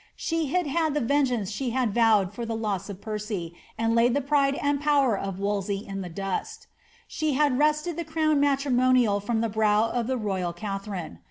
She had had the vengeance she had vowed for the loss of Percy, and laid the pride and power of WoUey in the dusL She had wrested the crown matrimonial from the brow of the royal Katharine.